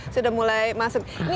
sudah mulai masuk